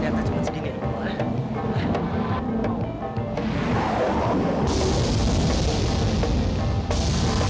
dia adalah luman